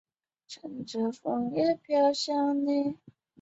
宣美及朴轸永等明星亦到场支持。